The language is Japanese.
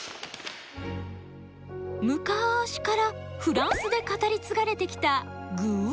むかしからフランスで語り継がれてきたグぅ！